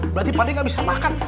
berarti pak deh gak bisa makan